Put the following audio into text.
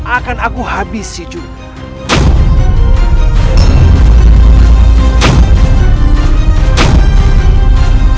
akan aku habisi juga